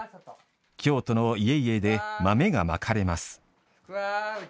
京都の家々で豆がまかれます。